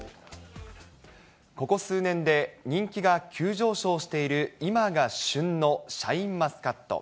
ここ数年で人気が急上昇している今が旬のシャインマスカット。